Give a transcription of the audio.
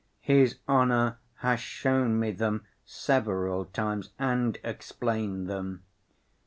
His honor has shown me them several times and explained them.